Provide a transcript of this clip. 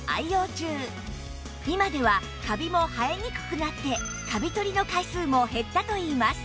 今ではカビも生えにくくなってカビ取りの回数も減ったといいます